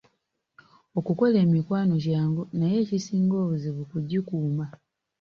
Okukola emikwano kyangu naye ekisinga obuzibu kugikuuma.